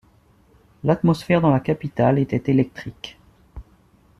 L'atmosphère dans la capitale était électrique.